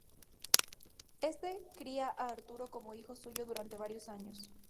Éste cría a Arturo como hijo suyo durante varios años.